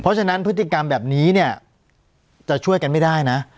เพราะฉะนั้นพฤติกรรมแบบนี้เนี่ยจะช่วยกันไม่ได้นะ